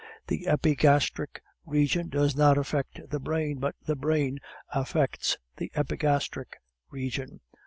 The epigastric region does not affect the brain but the brain affects the epigastric region.